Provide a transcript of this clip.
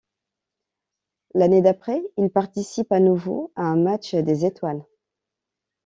L'année d'après il participe à nouveau à un Match des étoiles.